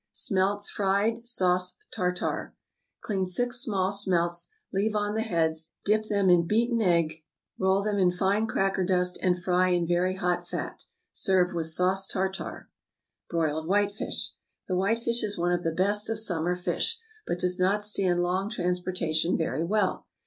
=Smelts Fried, Sauce Tartare.= Clean six small smelts, leave on the heads, dip them in beaten egg, roll them in fine cracker dust, and fry in very hot fat. Serve with sauce tartare. =Broiled Whitefish.= The whitefish is one of the best of summer fish, but does not stand long transportation very well.